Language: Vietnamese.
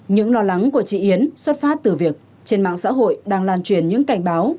những lo lắng của chị yến xuất phát từ việc trên mạng xã hội đang lan truyền những cảnh báo